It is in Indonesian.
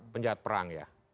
penjahat perang ya